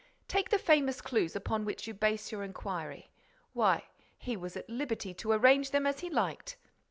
Take the famous clues upon which you base your inquiry: why, he was at liberty to arrange them as he liked.